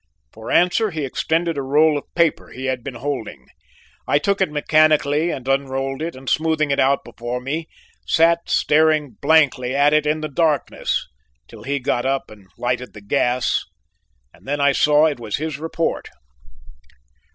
For answer he extended a roll of paper he had been holding. I took it mechanically and unrolled it, and, smoothing it out before me, sat staring blankly at it in the darkness till he got up and lighted the gas and then I saw it was his report.